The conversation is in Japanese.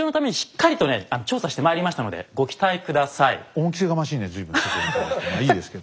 恩着せがましいね随分まあいいですけど。